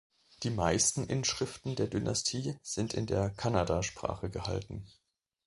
Die meisten Inschriften der Dynastie sind in der Kannada-Sprache gehalten.